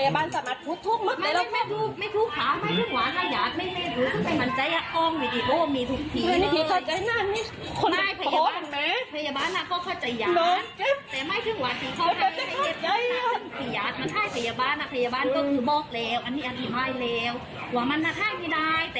มันมาได้แต่ถ้าอยากต้องการ